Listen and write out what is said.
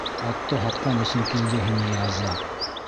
Атты һатҡан өсөн килде һиңә яза!